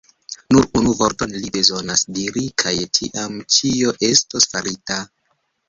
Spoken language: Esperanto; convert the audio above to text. Nur unu vorton li bezonas diri, kaj tiam ĉio estos farita.